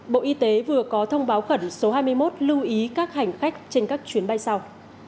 bộ y tế vừa có thông báo khẩn số hai mươi một lưu ý các hành khách trên các chuyến bay sau